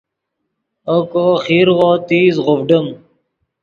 اوکو خیرغو تیز غوڤڈیم